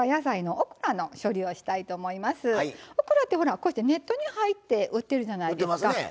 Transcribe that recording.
オクラってこうしてネットに入って売ってるじゃないですか。